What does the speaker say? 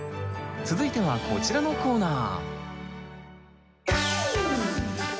続いてはこちらのコーナー！